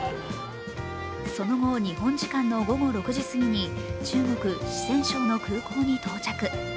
その後、日本時間の午後６時過ぎに中国・四川省の空港に到着。